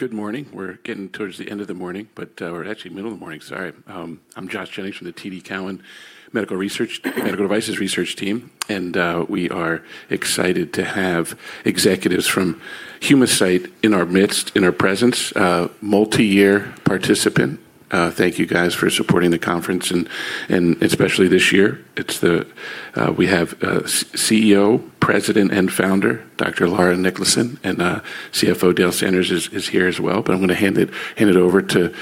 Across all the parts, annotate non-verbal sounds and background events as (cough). Good morning. We're getting towards the end of the morning, but we're actually middle of the morning, sorry. I'm Joshua Jennings from the TD Cowen Medical Devices Research team, and we are excited to have executives from Humacyte in our midst, in our presence. Multi-year participant. Thank you guys for supporting the conference and especially this year. It's the CEO, President, and Founder, Dr. Laura Niklason, and CFO Dale Sander is here as well. I'm gonna hand it over to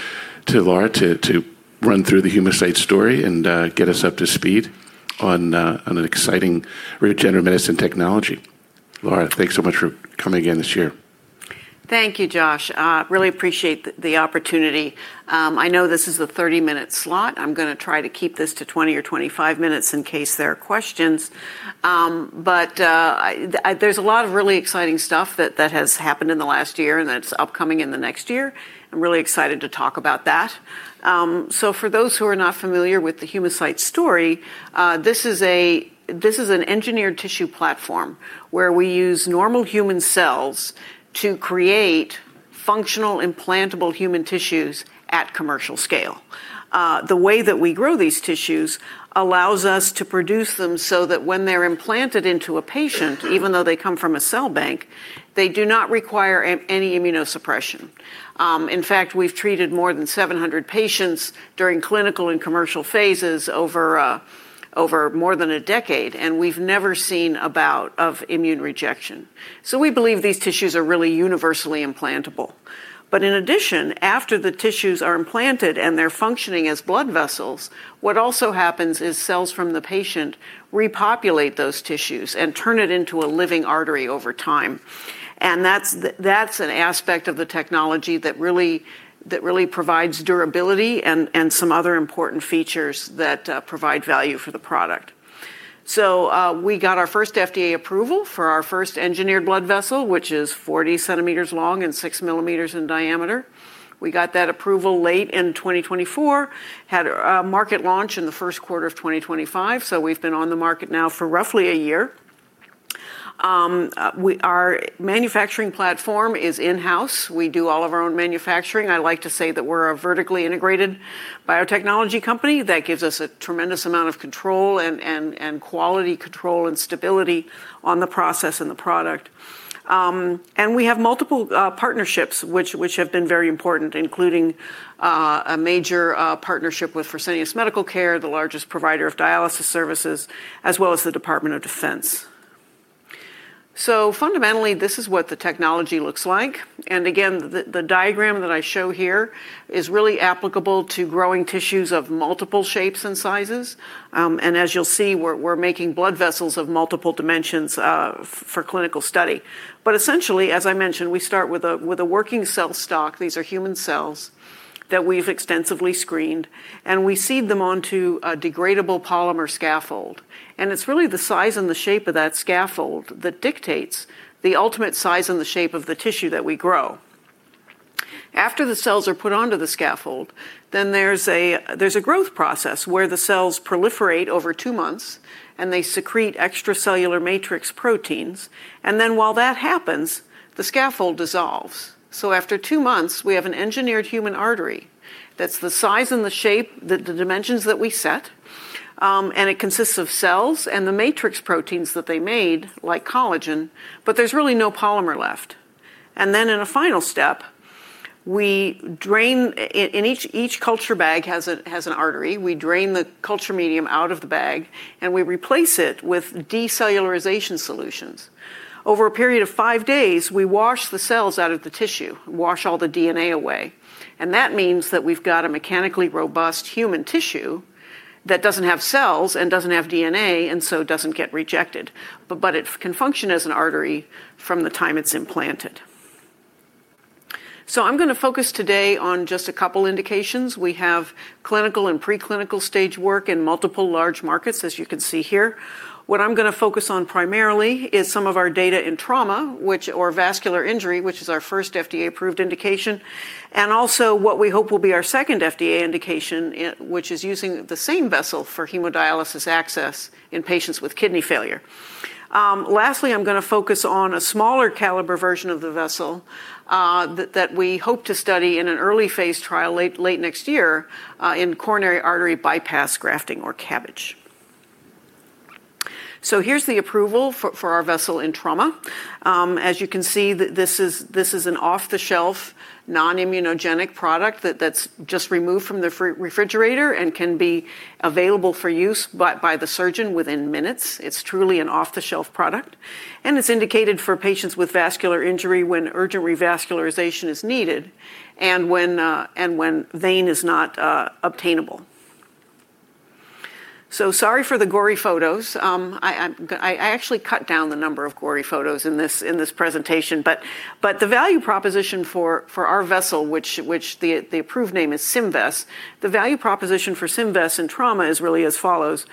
Laura to run through the Humacyte story and get us up to speed on an exciting regenerative medicine technology. Laura, thanks so much for coming again this year. Thank you, Josh. Really appreciate the opportunity. I know this is a 30-minute slot. I'm gonna try to keep this to 20 or 25-minutes in case there are questions. There's a lot of really exciting stuff that has happened in the last year and that's upcoming in the next year. I'm really excited to talk about that. For those who are not familiar with the Humacyte story, this is an engineered tissue platform where we use normal human cells to create functional implantable human tissues at commercial scale. The way that we grow these tissues allows us to produce them so that when they're implanted into a patient, even though they come from a cell bank, they do not require any immunosuppression. In fact, we've treated more than 700 patients during clinical and commercial phases over more than a decade. We've never seen a bout of immune rejection. We believe these tissues are really universally implantable. In addition, after the tissues are implanted and they're functioning as blood vessels, what also happens is cells from the patient repopulate those tissues and turn it into a living artery over time. That's an aspect of the technology that really provides durability and some other important features that provide value for the product. We got our first FDA approval for our first engineered blood vessel, which is 40 cm long and 6 mm in diameter. We got that approval late in 2024, had a market launch in the first quarter of 2025. We've been on the market now for roughly a year. Our manufacturing platform is in-house. We do all of our own manufacturing. I like to say that we're a vertically integrated biotechnology company. That gives us a tremendous amount of control and quality control and stability on the process and the product. We have multiple partnerships which have been very important, including a major partnership with Fresenius Medical Care, the largest provider of dialysis services, as well as the Department of Defense. Fundamentally, this is what the technology looks like. Again, the diagram that I show here is really applicable to growing tissues of multiple shapes and sizes. As you'll see, we're making blood vessels of multiple dimensions for clinical study. Essentially, as I mentioned, we start with a working cell stock. These are human cells that we've extensively screened, and we seed them onto a degradable polymer scaffold. It's really the size and the shape of that scaffold that dictates the ultimate size and the shape of the tissue that we grow. After the cells are put onto the scaffold, there's a growth process where the cells proliferate over two months and they secrete extracellular matrix proteins. While that happens, the scaffold dissolves. After two months, we have an engineered human artery that's the size and the shape, the dimensions that we set, and it consists of cells and the matrix proteins that they made, like collagen, but there's really no polymer left. In a final step, each culture bag has an artery. We drain the culture medium out of the bag, and we replace it with decellularization solutions. Over a period of five days, we wash the cells out of the tissue, wash all the DNA away, and that means that we've got a mechanically robust human tissue that doesn't have cells and doesn't have DNA and so doesn't get rejected. It can function as an artery from the time it's implanted. I'm gonna focus today on just a couple indications. We have clinical and preclinical stage work in multiple large markets, as you can see here. What I'm gonna focus on primarily is some of our data in trauma, or vascular injury, which is our first FDA-approved indication, and also what we hope will be our second FDA indication, which is using the same vessel for hemodialysis access in patients with kidney failure. Lastly, I'm gonna focus on a smaller caliber version of the vessel that we hope to study in an early phase trial late next year in coronary artery bypass grafting or CABG. Here's the approval for our vessel in trauma. As you can see, this is an off-the-shelf, non-immunogenic product that's just removed from the refrigerator and can be available for use by the surgeon within minutes. It's truly an off-the-shelf product, and it's indicated for patients with vascular injury when urgent revascularization is needed and when vein is not obtainable. Sorry for the gory photos. I actually cut down the number of gory photos in this presentation. The value proposition for our vessel, which the approved name is Symvess, the value proposition for Symvess in trauma is really as follows: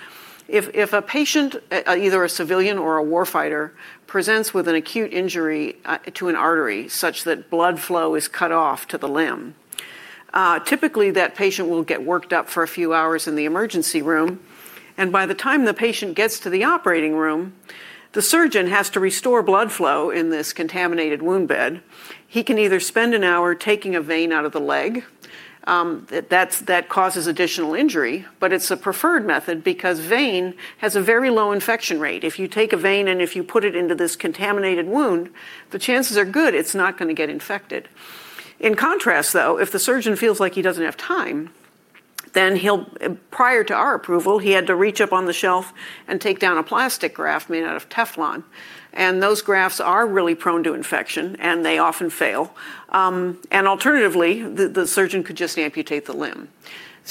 If a patient, either a civilian or a war fighter, presents with an acute injury to an artery such that blood flow is cut off to the limb. Typically that patient will get worked up for a few hours in the emergency room, and by the time the patient gets to the operating room, the surgeon has to restore blood flow in this contaminated wound bed. He can either spend an hour taking a vein out of the leg, that causes additional injury, but it's a preferred method because vein has a very low infection rate. If you take a vein and if you put it into this contaminated wound, the chances are good it's not gonna get infected. In contrast, though, if the surgeon feels like he doesn't have time, then he'll, prior to our approval, he had to reach up on the shelf and take down a plastic graft made out of Teflon, and those grafts are really prone to infection, and they often fail. Alternatively, the surgeon could just amputate the limb.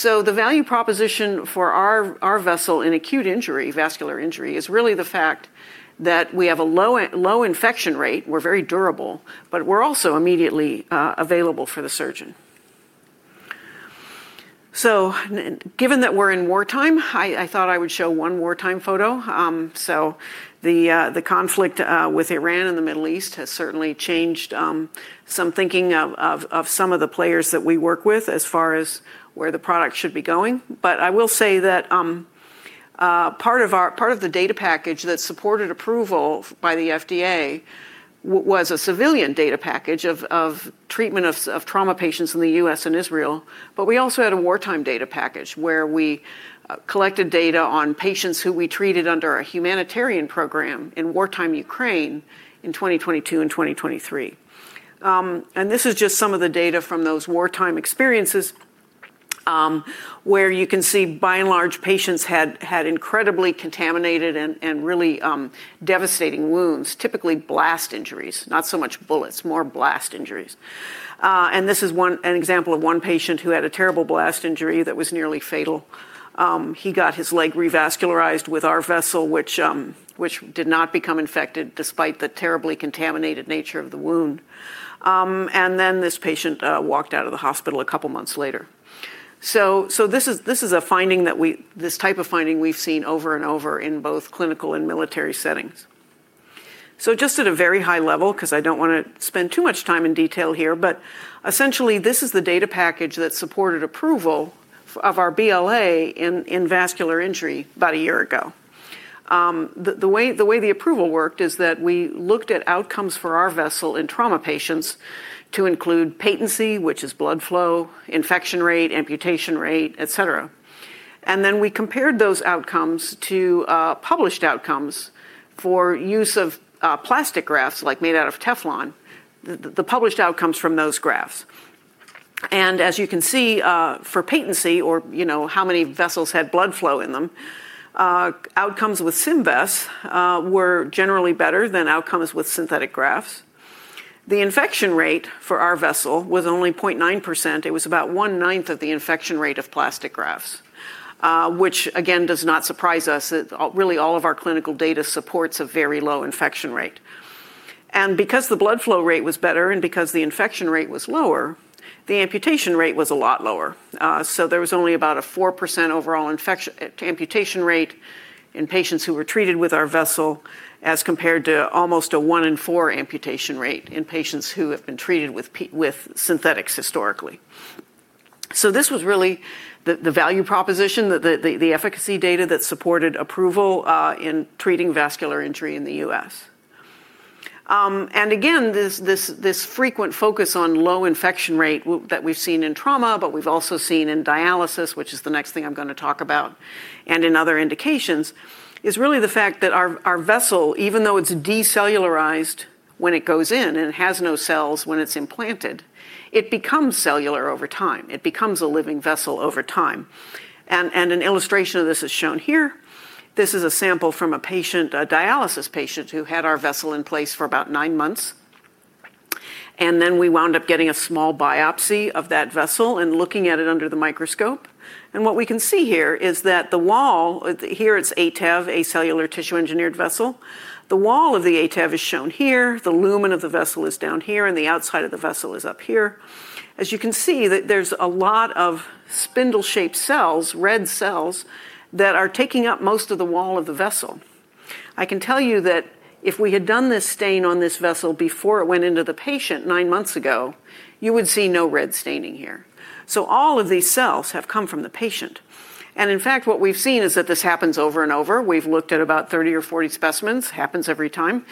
The value proposition for our vessel in acute injury, vascular injury, is really the fact that we have a low infection rate, we're very durable, but we're also immediately available for the surgeon. Given that we're in wartime, I thought I would show one wartime photo. The conflict with Iran and the Middle East has certainly changed some thinking of some of the players that we work with as far as where the product should be going. I will say that, part of the data package that supported approval by the FDA was a civilian data package of treatment of trauma patients in the U.S. and Israel. We also had a wartime data package where we collected data on patients who we treated under a humanitarian program in wartime Ukraine in 2022 and 2023. This is just some of the data from those wartime experiences, where you can see by and large patients had incredibly contaminated and really devastating wounds, typically blast injuries, not so much bullets, more blast injuries. This is an example of one patient who had a terrible blast injury that was nearly fatal. He got his leg revascularized with our vessel, which did not become infected despite the terribly contaminated nature of the wound. This patient walked out of the hospital two months later. So this is a finding that this type of finding we've seen over and over in both clinical and military settings. Just at a very high level, because I don't wanna spend too much time in detail here, but essentially this is the data package that supported approval of our BLA in vascular injury about one year ago. The way the approval worked is that we looked at outcomes for our vessel in trauma patients to include patency, which is blood flow, infection rate, amputation rate, etc. We compared those outcomes to published outcomes for use of plastic grafts like made out of Teflon, the published outcomes from those grafts. As you can see, for patency or, you know, how many vessels had blood flow in them, outcomes with Symvess were generally better than outcomes with synthetic grafts. The infection rate for our vessel was only 0.9%. It was about one-ninth of the infection rate of plastic grafts, which again does not surprise us. Really all of our clinical data supports a very low infection rate. Because the blood flow rate was better and because the infection rate was lower, the amputation rate was a lot lower. There was only about a 4% overall amputation rate in patients who were treated with our vessel as compared to almost a one in four amputation rate in patients who have been treated with synthetics historically. This was really the value proposition, the, the efficacy data that supported approval in treating vascular injury in the U.S. This frequent focus on low infection rate that we've seen in trauma, but we've also seen in dialysis, which is the next thing I'm gonna talk about, and in other indications, is really the fact that our vessel, even though it's decellularized when it goes in and has no cells when it's implanted, it becomes cellular over time. It becomes a living vessel over time. And an illustration of this is shown here. This is a sample from a patient, a dialysis patient, who had our vessel in place for about nine months. We wound up getting a small biopsy of that vessel and looking at it under the microscope. What we can see here is that the wall, here it's ATEV, Acellular Tissue Engineered Vessel. The wall of the ATEV is shown here, the lumen of the vessel is down here, and the outside of the vessel is up here. As you can see, there's a lot of spindle-shaped cells, red cells, that are taking up most of the wall of the vessel. I can tell you that if we had done this stain on this vessel before it went into the patient nine months ago, you would see no red staining here. All of these cells have come from the patient. In fact, what we've seen is that this happens over and over. We've looked at about 30 or 40 specimens, happens every time.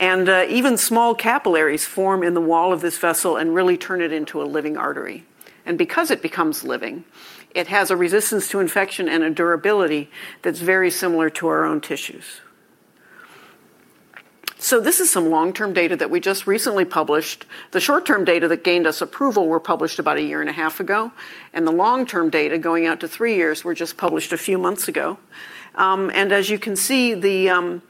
Even small capillaries form in the wall of this vessel and really turn it into a living artery. Because it becomes living, it has a resistance to infection and a durability that's very similar to our own tissues. This is some long-term data that we just recently published. The short-term data that gained us approval were published about one and half years ago, and the long-term data going out to three years were just published a few months ago. As you can see, the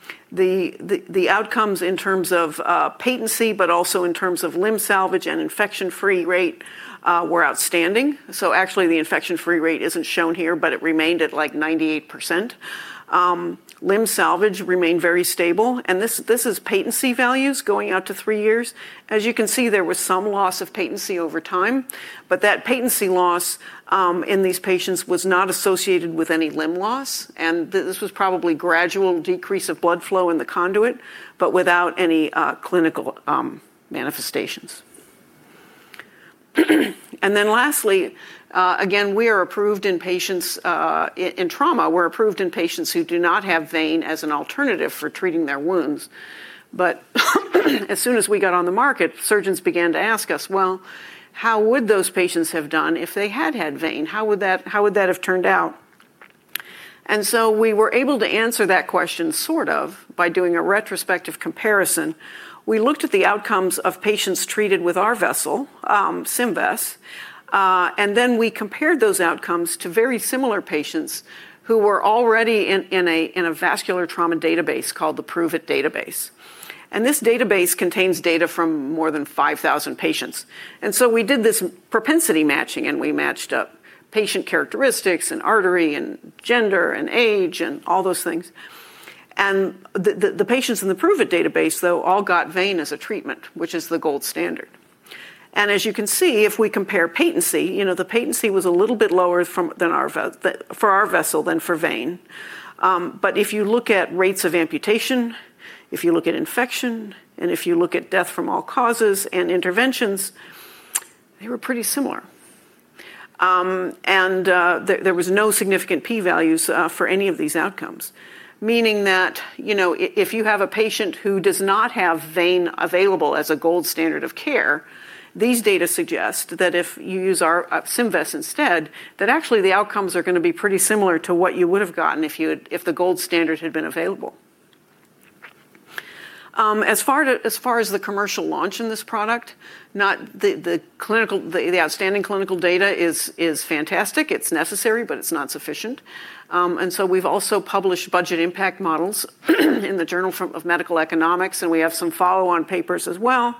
outcomes in terms of patency, but also in terms of limb salvage and infection-free rate, were outstanding. Actually the infection-free rate isn't shown here, but it remained at like 98%. Limb salvage remained very stable, this is patency values going out to three years. As you can see, there was some loss of patency over time, that patency loss in these patients was not associated with any limb loss, this was probably gradual decrease of blood flow in the conduit, but without any clinical manifestations. Lastly, again, we are approved in patients in trauma. We're approved in patients who do not have vein as an alternative for treating their wounds. As soon as we got on the market, surgeons began to ask us, "Well, how would those patients have done if they had had vein? How would that have turned out?" We were able to answer that question sort of by doing a retrospective comparison. We looked at the outcomes of patients treated with our vessel, Symvess, and then we compared those outcomes to very similar patients who were already in a vascular trauma database called the PROOVIT Database. This database contains data from more than 5,000 patients. We did this propensity matching, and we matched up patient characteristics, and artery, and gender, and age, and all those things. The patients in the PROOVIT Database, though, all got vein as a treatment, which is the gold standard. As you can see, if we compare patency, you know, the patency was a little bit lower than for our vessel than for vein. If you look at rates of amputation, if you look at infection, and if you look at death from all causes and interventions, they were pretty similar. There was no significant p-values for any of these outcomes, meaning that, you know, if you have a patient who does not have vein available as a gold standard of care, these data suggest that if you use our Symvess instead, that actually the outcomes are gonna be pretty similar to what you would have gotten if the gold standard had been available. As far as the commercial launch in this product, the outstanding clinical data is fantastic. It's necessary, but it's not sufficient. We've also published budget impact models in the Journal of Medical Economics, and we have some follow-on papers as well,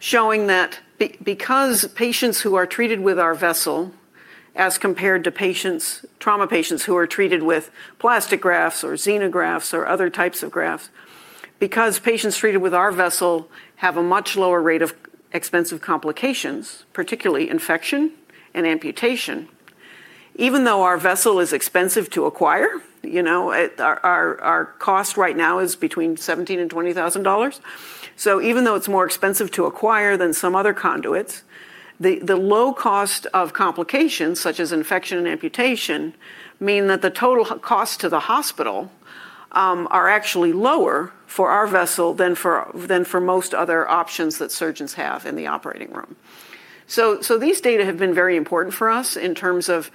showing that because patients who are treated with our vessel, as compared to trauma patients who are treated with plastic grafts or xenografts or other types of grafts, because patients treated with our vessel have a much lower rate of expensive complications, particularly infection and amputation. Even though our vessel is expensive to acquire, you know, our cost right now is between $17,000-$20,000. Even though it's more expensive to acquire than some other conduits, the low cost of complications such as infection and amputation mean that the total cost to the hospital are actually lower for our vessel than for most other options that surgeons have in the operating room. These data have been very important for us in terms of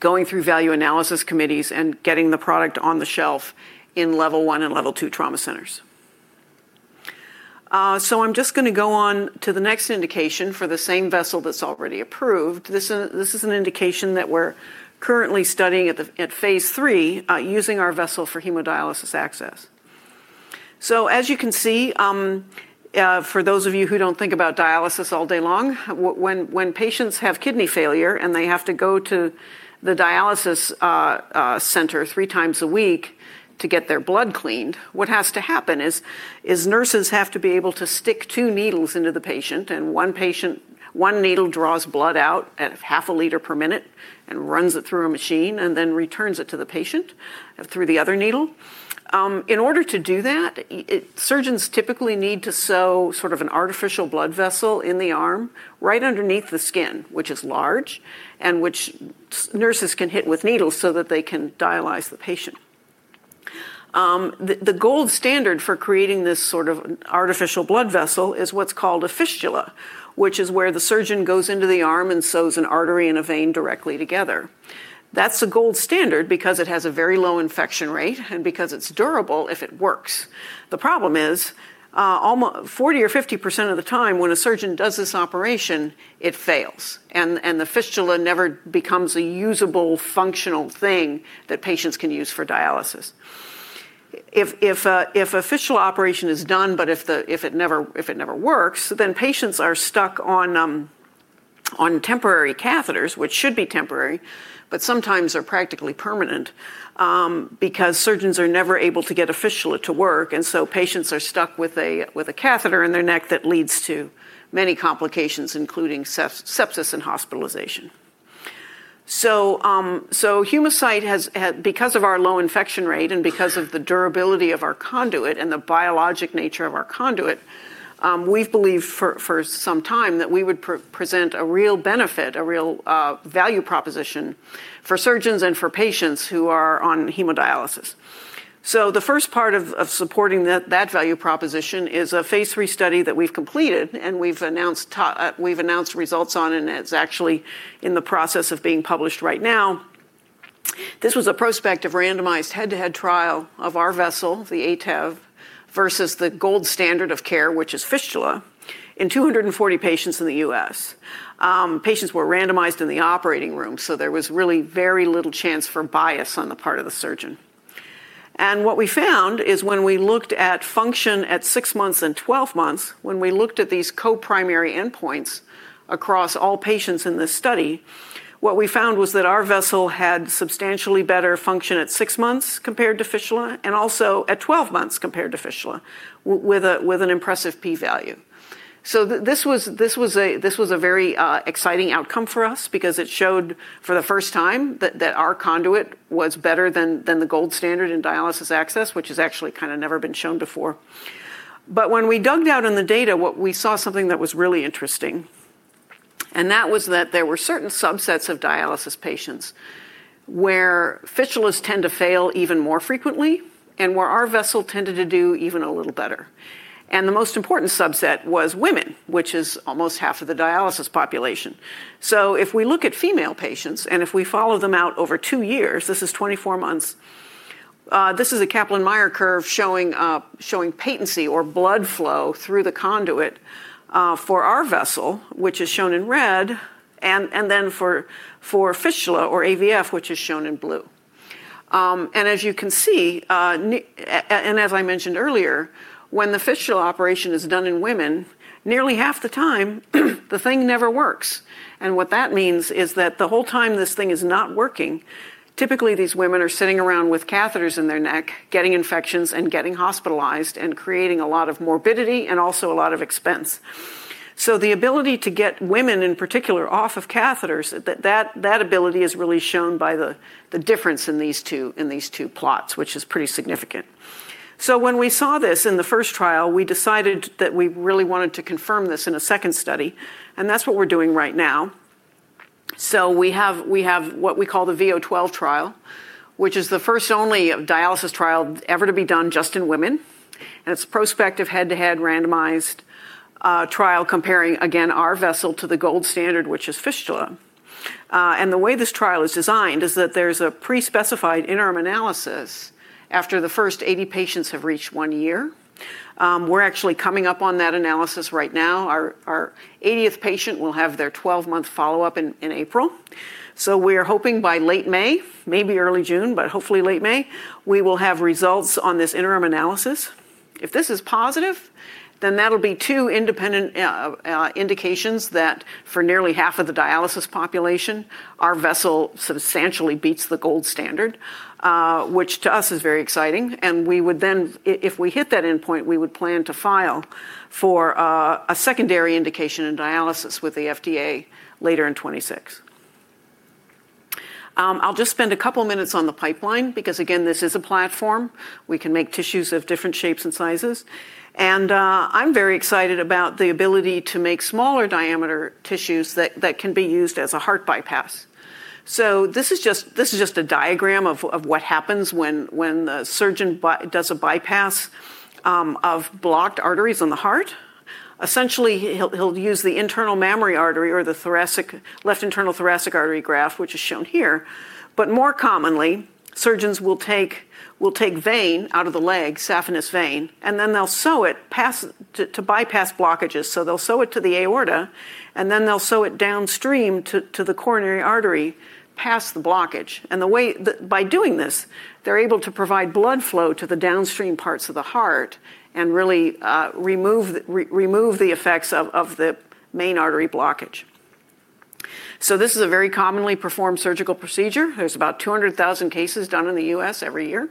going through Value Analysis Committees and getting the product on the shelf in level one and level two trauma centers. I'm just gonna go on to the next indication for the same vessel that's already approved. This is an indication that we're currently studying at phase III, using our vessel for hemodialysis access. As you can see, for those of you who don't think about dialysis all day long, when patients have kidney failure and they have to go to the dialysis center three times a week to get their blood cleaned, what has to happen is nurses have to be able to stick two needles into the patient, and one needle draws blood out at half a liter per minute and runs it through a machine and then returns it to the patient through the other needle. In order to do that, surgeons typically need to sew sort of an artificial blood vessel in the arm right underneath the skin, which is large and which nurses can hit with needles so that they can dialyze the patient. The gold standard for creating this sort of artificial blood vessel is what's called a fistula, which is where the surgeon goes into the arm and sews an artery and a vein directly together. That's a gold standard because it has a very low infection rate and because it's durable if it works. The problem is, 40% or 50% of the time when a surgeon does this operation, it fails, and the fistula never becomes a usable, functional thing that patients can use for dialysis. If a fistula operation is done, but if it never works, then patients are stuck on temporary catheters, which should be temporary, but sometimes are practically permanent, because surgeons are never able to get a fistula to work. Patients are stuck with a catheter in their neck that leads to many complications, including sepsis and hospitalization. Humacyte has had because of our low infection rate and because of the durability of our conduit and the biologic nature of our conduit, we've believed for some time that we would present a real benefit, a real value proposition for surgeons and for patients who are on hemodialysis. The first part of supporting that value proposition is a phase III study that we've completed and we've announced results on, and it's actually in the process of being published right now. This was a prospective randomized head-to-head trial of our vessel, the ATEV, versus the gold standard of care, which is fistula, in 240 patients in the U.S. Patients were randomized in the operating room, there was really very little chance for bias on the part of the surgeon. What we found is when we looked at function at six months and 12 months, when we looked at these co-primary endpoints across all patients in this study, what we found was that our vessel had substantially better function at six months compared to fistula and also at 12 months compared to fistula with an impressive p-value. This was a very exciting outcome for us because it showed for the 1st time that our conduit was better than the gold standard in dialysis access, which has actually kinda never been shown before. When we dug down in the data, what we saw something that was really interesting. That was that there were certain subsets of dialysis patients where fistulas tend to fail even more frequently and where our vessel tended to do even a little better. The most important subset was women, which is almost half of the dialysis population. If we look at female patients, and if we follow them out over two years, this is 24 months, this is a Kaplan-Meier curve showing patency or blood flow through the conduit for our vessel, which is shown in red and then for fistula or AVF, which is shown in blue. As you can see, as I mentioned earlier, when the fistula operation is done in women, nearly half the time the thing never works. What that means is that the whole time this thing is not working, typically these women are sitting around with catheters in their neck, getting infections and getting hospitalized and creating a lot of morbidity and also a lot of expense. The ability to get women, in particular, off of catheters, that ability is really shown by the difference in these two plots, which is pretty significant. When we saw this in the first trial, we decided that we really wanted to confirm this in a second study, and that's what we're doing right now. We have what we call the V012 trial, which is the first and only dialysis trial ever to be done just in women. It's prospective head-to-head randomized trial comparing, again, our vessel to the gold standard, which is fistula. The way this trial is designed is that there's a pre-specified interim analysis after the first 80 patients have reached one year. We're actually coming up on that analysis right now. Our 80th patient will have their 12-month follow-up in April. We are hoping by late May, maybe early June, but hopefully late May, we will have results on this interim analysis. If this is positive, then that'll be two independent indications that for nearly half of the dialysis population, our vessel substantially beats the gold standard, which to us is very exciting. If we hit that endpoint, we would plan to file for a secondary indication in dialysis with the FDA later in 2026. I'll just spend a couple minutes on the pipeline because, again, this is a platform. We can make tissues of different shapes and sizes. I'm very excited about the ability to make smaller diameter tissues that can be used as a heart bypass. This is just a diagram of what happens when a surgeon does a bypass of blocked arteries in the heart. Essentially, he'll use the internal mammary artery or the left internal thoracic artery graft, which is shown here. More commonly, surgeons will take vein out of the leg, saphenous vein, and then they'll sew it to bypass blockages. They'll sew it to the aorta, and then they'll sew it downstream to the coronary artery past the blockage. By doing this, they're able to provide blood flow to the downstream parts of the heart and really remove the effects of the main artery blockage. This is a very commonly performed surgical procedure. There's about 200,000 cases done in the U.S. every year.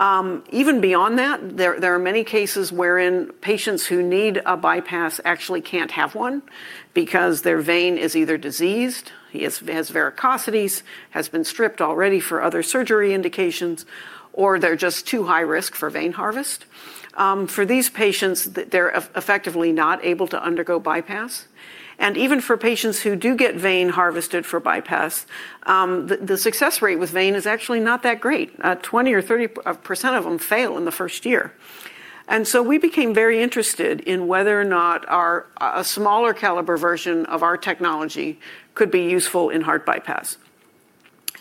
Even beyond that, there are many cases wherein patients who need a bypass actually can't have one because their vein is either diseased, it has varicosities, has been stripped already for other surgery indications, or they're just too high risk for vein harvest. For these patients, they're effectively not able to undergo bypass. Even for patients who do get vein harvested for bypass, the success rate with vein is actually not that great. 20% or 30% of them fail in the first year. We became very interested in whether or not a smaller caliber version of our technology could be useful in heart bypass.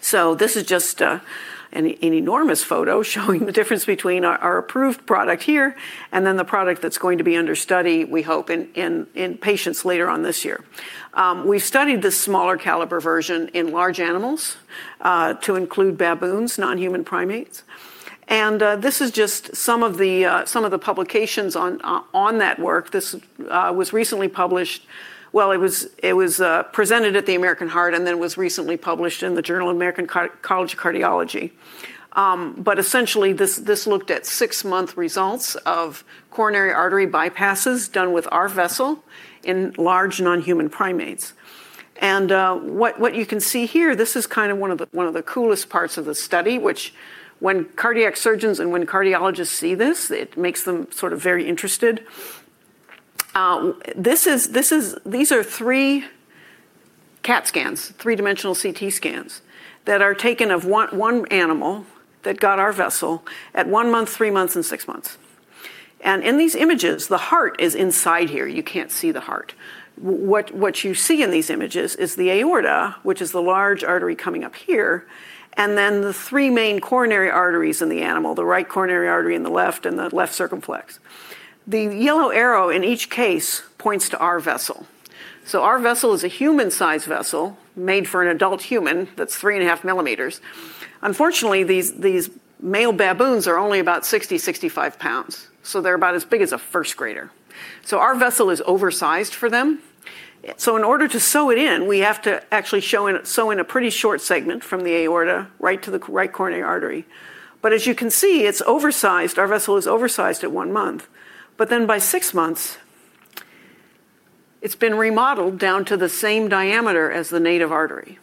This is just an enormous photo showing the difference between our approved product here and then the product that's going to be under study, we hope, in patients later on this year. We studied this smaller caliber version in large animals, to include baboons, non-human primates. This is just some of the publications on that work. This was recently presented at the American Heart Association, and then was recently published in the Journal of the American College of Cardiology. Essentially, this looked at 6-month results of coronary artery bypasses done with our vessel in large non-human primates. What you can see here, this is kind of one of the coolest parts of the study, which when cardiac surgeons and when cardiologists see this, it makes them sort of very interested. These are three CAT scans, three-dimensional CT scans that are taken of one animal that got our vessel at one month, three months, and six months. In these images, the heart is inside here. You can't see the heart. What you see in these images is the aorta, which is the large artery coming up here, and then the three main coronary arteries in the animal, the right coronary artery and the left and the left circumflex. The yellow arrow in each case points to our vessel. Our vessel is a human-sized vessel made for an adult human that's 3.5 millimeters. Unfortunately, these male baboons are only about 60-65 pounds, they're about as big as a first grader. Our vessel is oversized for them. In order to sew it in, we have to actually sew in a pretty short segment from the aorta right to the right coronary artery. As you can see, it's oversized. Our vessel is oversized at one month. By six months, it's been remodeled down to the same diameter as the native artery.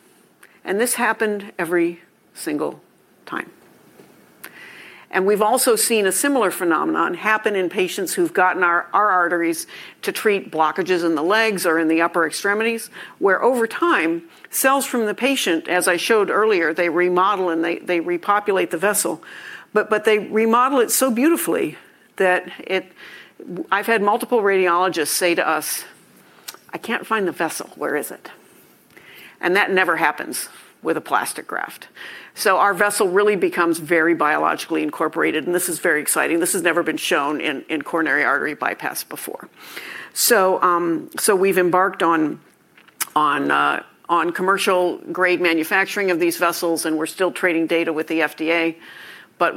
This happened every single time. We've also seen a similar phenomenon happen in patients who've gotten our arteries to treat blockages in the legs or in the upper extremities, where over time, cells from the patient, as I showed earlier, they remodel and they repopulate the vessel. They remodel it so beautifully that I've had multiple radiologists say to us, "I can't find the vessel. Where is it?" That never happens with a plastic graft. Our vessel really becomes very biologically incorporated, and this is very exciting. This has never been shown in coronary artery bypass before. We've embarked on commercial-grade manufacturing of these vessels, and we're still trading data with the FDA.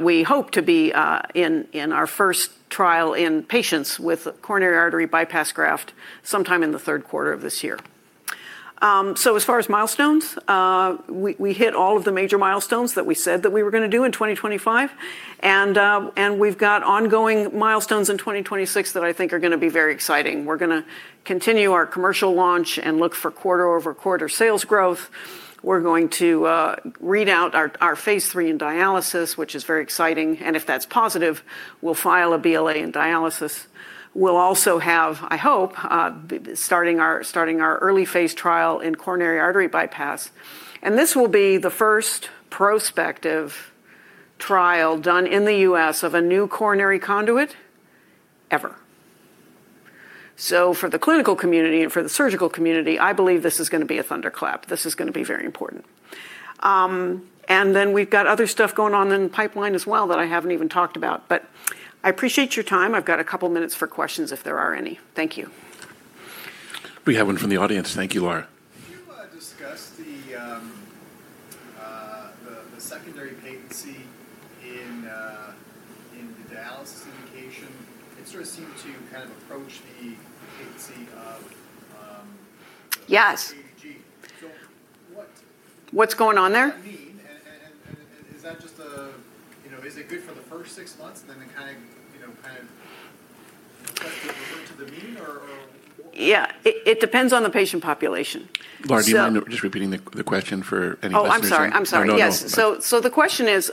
We hope to be in our 1st trial in patients with a coronary artery bypass graft sometime in the third quarter of this year. As far as milestones, we hit all of the major milestones that we said that we were going to do in 2025. We've got ongoing milestones in 2026 that I think are going to be very exciting. We're going to continue our commercial launch and look for quarter-over-quarter sales growth. We're going to read out our phase III in dialysis, which is very exciting. If that's positive, we'll file a BLA in dialysis. We'll also have, I hope, starting our early phase trial in coronary artery bypass. This will be the 1st prospective trial done in the U.S. of a new coronary conduit ever. For the clinical community and for the surgical community, I believe this is gonna be a thunderclap. This is gonna be very important. We've got other stuff going on in the pipeline as well that I haven't even talked about. I appreciate your time. I've got a couple minutes for questions, if there are any. Thank you. We have one from the audience. Thank you, Laura. Can you discuss the secondary patency in the dialysis indication? It sort of seemed to kind of approach the patency of. Yes (inaudible) What's going on there? What does that mean? is that just a, you know, is it good for the first six months, and then it kinda, you know, kind of starts to revert to the mean or what? Yeah. It depends on the patient population. Laura, do you mind just repeating the question for any listeners who- Oh, I'm sorry. I'm sorry. No, no. Yes. The question is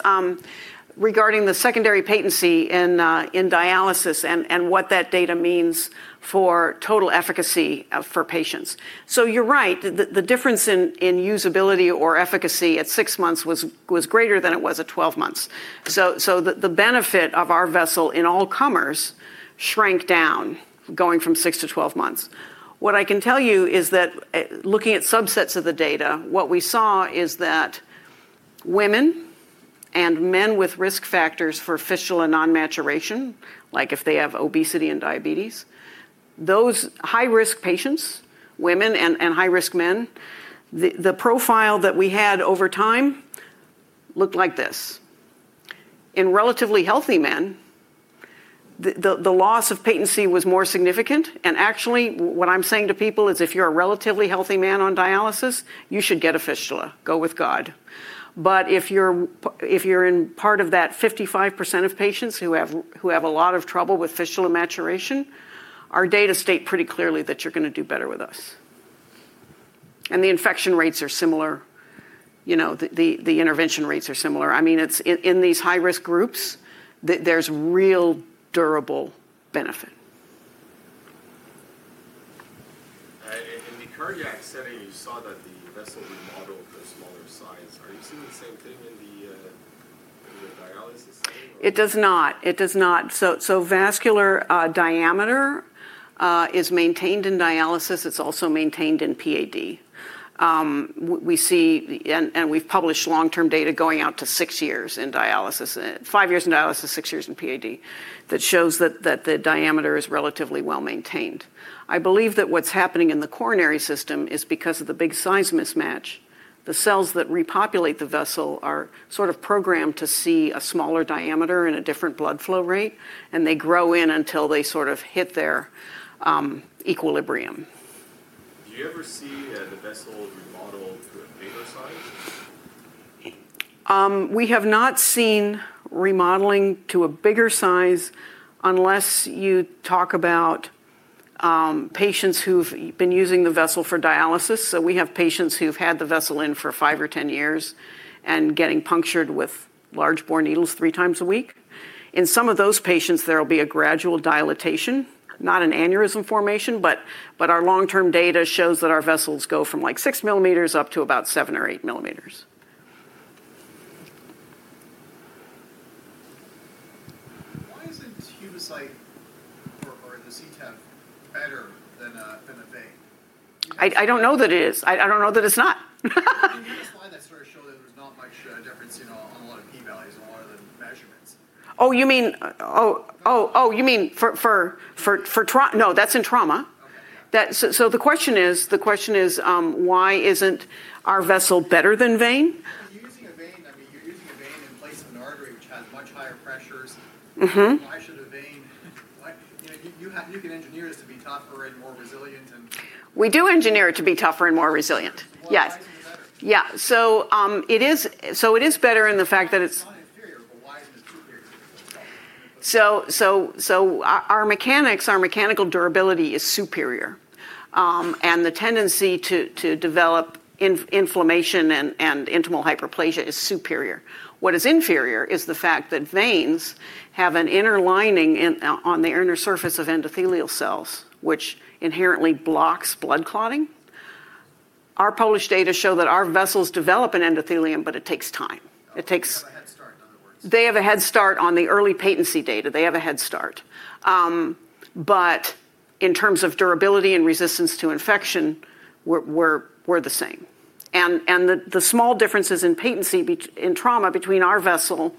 regarding the secondary patency in dialysis and what that data means for total efficacy for patients. You're right. The difference in usability or efficacy at six months was greater than it was at 12 months. The benefit of our vessel in all comers shrank down going from six to 12 months. What I can tell you is that looking at subsets of the data, what we saw is that women and men with risk factors for fistula non-maturation, like if they have obesity and diabetes, those high-risk patients, women and high-risk men, the profile that we had over time looked like this. In relatively healthy men, the loss of patency was more significant and actually, what I'm saying to people is if you're a relatively healthy man on dialysis, you should get a fistula. Go with God. If you're in part of that 55% of patients who have a lot of trouble with fistula maturation, our data state pretty clearly that you're gonna do better with us. The infection rates are similar. You know, the intervention rates are similar. I mean, it's in these high-risk groups, there's real durable benefit. In the cardiac setting, you saw that the vessel remodeled to a smaller size. Are you seeing the same thing in the dialysis setting or- It does not. It does not. Vascular, diameter, is maintained in dialysis. It's also maintained in PAD. We see and we've published long-term data going out to five years in dialysis, six years in PAD, that shows that the diameter is relatively well-maintained. I believe that what's happening in the coronary system is because of the big size mismatch. The cells that repopulate the vessel are sort of programmed to see a smaller diameter and a different blood flow rate, and they grow in until they sort of hit their equilibrium. Do you ever see, the vessel remodel to a bigger size? We have not seen remodeling to a bigger size unless you talk about patients who've been using the vessel for dialysis. We have patients who've had the vessel in for five or 10 years and getting punctured with large bore needles three times a week. In some of those patients, there will be a gradual dilatation, not an aneurysm formation, but our long-term data shows that our vessels go from, like, 6 mm up to about 7 mm or 8 mm. Why isn't Humacyte or the CTEV better than a vein? I don't know that it is. I don't know that it's not. Can you explain that sort of show that there's not much difference on a lot of p-values on a lot of the measurements? Oh, you mean, Oh, you mean for. No, that's in trauma. Okay, yeah. The question is, why isn't our vessel better than vein? If you're using a vein, I mean, you're using a vein in place of an artery which has much higher pressures. Why should a vein? You know, you have you can engineer this to be tougher and more resilient. We do engineer it to be tougher and more resilient. Yes. Well, why isn't it better? Yeah. It is better in the fact that it's. It's not inferior, but why isn't it superior? Our mechanics, our mechanical durability is superior. The tendency to develop inflammation and intimal hyperplasia is superior. What is inferior is the fact that veins have an inner lining on the inner surface of endothelial cells, which inherently blocks blood clotting. Our published data show that our vessels develop an endothelium, but it takes time. It takes. They have a head start, in other words. They have a head start on the early patency data. They have a head start. In terms of durability and resistance to infection, we're the same. The small differences in patency in trauma between our vessel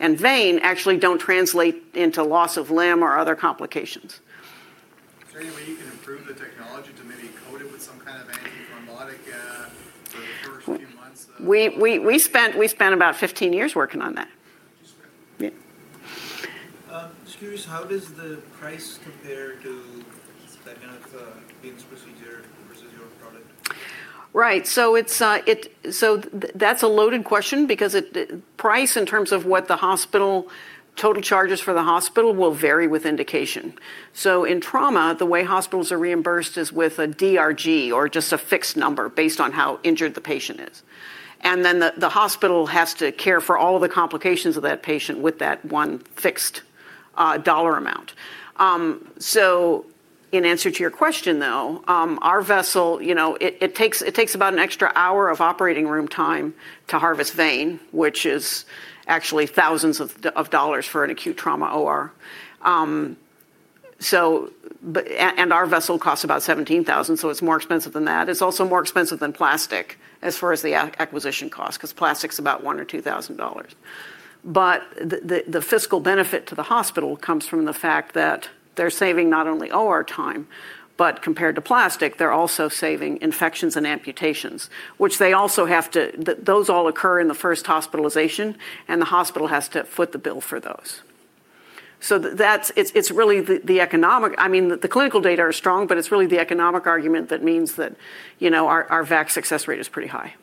and vein actually don't translate into loss of limb or other complications. Is there any way you can improve the technology to maybe coat it with some kind of antithrombotic, for the first few months? We spent about 15 years working on that. Just curious. Yeah. Just curious, how does the price compare to that kind of veins procedure versus your product? Right. It's that's a loaded question because it price in terms of what the total charges for the hospital will vary with indication. In trauma, the way hospitals are reimbursed is with a DRG or just a fixed number based on how injured the patient is. The hospital has to care for all the complications of that patient with that one fixed dollar amount. In answer to your question, though, our vessel, you know, it takes about an extra hour of operating room time to harvest vein, which is actually thousands of dollarsfor an acute trauma OR. And our vessel costs about $17,000, so it's more expensive than that. It's also more expensive than plastic as far as the acquisition cost, because plastic's about $1,000 or $2,000. The fiscal benefit to the hospital comes from the fact that they're saving not only OR time, but compared to plastic, they're also saving infections and amputations, which they also have to. Those all occur in the first hospitalization, and the hospital has to foot the bill for those. It's really the economic— I mean, the clinical data are strong, but it's really the economic argument that means that, you know, our VAC success rate is pretty high.